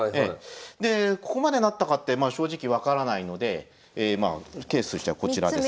でここまでなったかってまあ正直分からないのでケースとしてはこちらですか。